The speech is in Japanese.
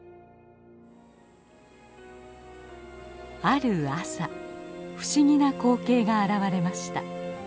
ある朝不思議な光景が現れました。